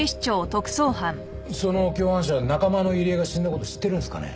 その共犯者は仲間の入江が死んだ事を知ってるんですかね？